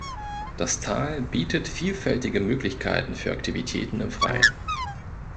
Das Tal bietet vielfältige Möglichkeiten für Aktivitäten im Freien.